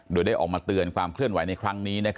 โดยได้ออกมาเตือนความเคลื่อนไหวในครั้งนี้